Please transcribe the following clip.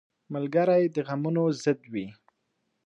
ملګری د غمونو ضد وي